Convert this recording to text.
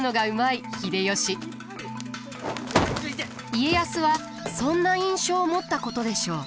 家康はそんな印象を持ったことでしょう。